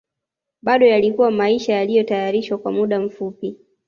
Bado yalikuwa maisha yaliyotayarishwa kwa muda mfupi